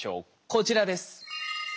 こちらです。